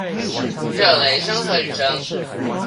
只有雷聲和雨聲